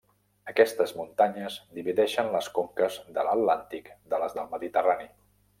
Aquestes muntanyes divideixen les conques de l'atlàntic de les del Mediterrani.